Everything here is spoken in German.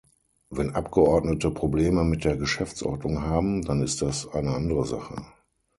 Wenn Abgeordnete Probleme mit der Geschäftsordnung haben, dann ist das eine andere Sache.